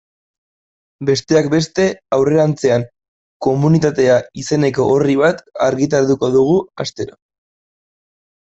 Besteak beste, aurrerantzean Komunitatea izeneko orri bat argitaratuko dugu astero.